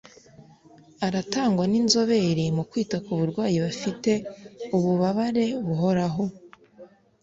Aratangwa n’inzobere mu kwita ku barwayi bafite ububabare buhoraho